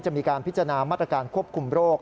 จะมีการพิจารณามาตรการควบคุมโรค